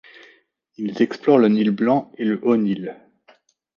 Ils explorent le Nil Blanc et le Haut-Nil.